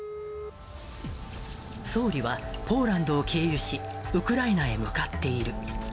総理はポーランドを経由し、ウクライナへ向かっている。